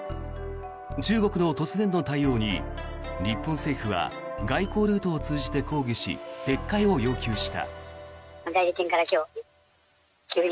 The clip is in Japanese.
中国の突然の対応に日本政府は外交ルートを通じて抗議し撤回を要求した。